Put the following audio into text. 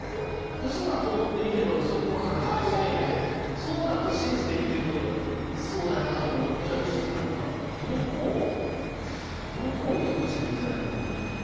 ウソだと思って見てればウソっぽく感じるしそうだと信じて見てるとそうだよなとも思っちゃうしどこを糸口に見たらいいのか分かんないんだよな。